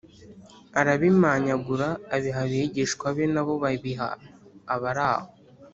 Arabimanyagura abiha abigishwa be na bo babiha abaraho